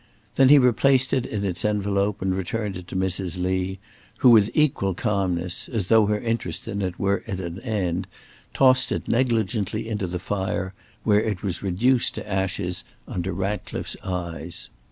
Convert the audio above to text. Then he replaced it in its envelope, and returned it to Mrs. Lee, who, with equal calmness, as though her interest in it were at an end, tossed it negligently into the fire, where it was reduced to ashes under Ratcliffe's eyes.